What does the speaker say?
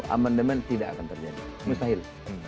amandemen tidak akan terjadi mustahil